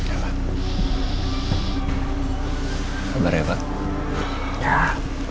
apa kabar ya pak